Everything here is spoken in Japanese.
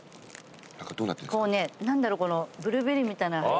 こうね何だろうこのブルーベリーみたいな。